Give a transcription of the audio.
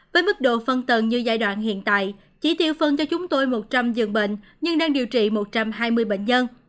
với mức độ phân tầng như giai đoạn hiện tại chỉ tiêu phân cho chúng tôi một trăm linh giường bệnh nhưng đang điều trị một trăm hai mươi bệnh nhân